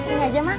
sudah ini aja ma